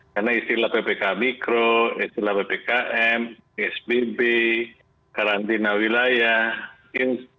karena istilah ppkm mikro istilah ppkm sbb karantina wilayah